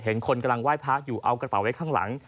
คนกำลังไหว้พระอยู่เอากระเป๋าไว้ข้างหลัง